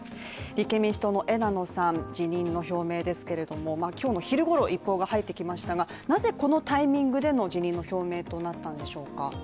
立憲民主党の枝野さん、辞任の表明ですけれども今日の昼ごろ、一報が入ってきましたがなぜこのタイミングでの辞任の表明となったのでしょうか？